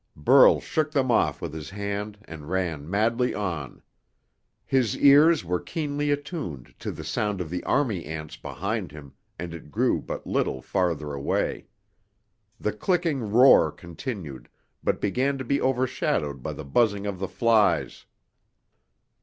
Burl shook them off with his hand and ran madly on. His ears were keenly attuned to the sound of the army ants behind him, and it grew but little farther away. The clicking roar continued, but began to be overshadowed by the buzzing of the flies.